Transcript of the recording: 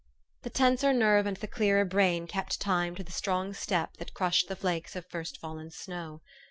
The tenser nerve and the clearer brain kept time to the strong step that crushed the flakes of first fallen snow.